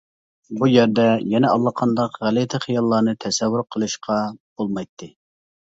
بۇ يەردە يەنە ئاللىقانداق غەلىتە خىياللارنى تەسەۋۋۇر قىلىشقا بولمايتتى.